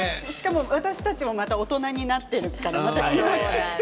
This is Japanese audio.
私たちも大人になっているからね。